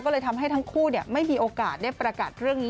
ก็เลยทำให้ทั้งคู่ไม่มีโอกาสได้ประกาศเรื่องนี้